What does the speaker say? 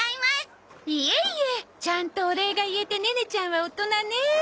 いえいえちゃんとお礼が言えてネネちゃんは大人ねえ。